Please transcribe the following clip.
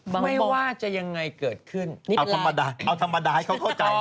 ไม่ว่าจะยังไงเกิดขึ้นเอาธรรมดาเอาธรรมดาให้เขาเข้าใจ